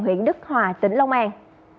huyện đức hòa tỉnh long an